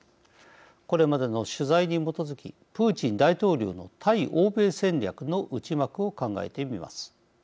これまでの取材に基づきプーチン大統領の対欧米戦略の内幕を考えてみます。